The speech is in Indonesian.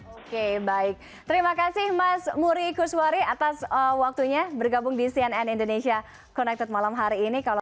oke baik terima kasih mas muri kuswari atas waktunya bergabung di cnn indonesia connected malam hari ini